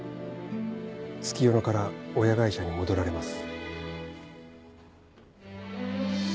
月夜野から親会社に戻られます。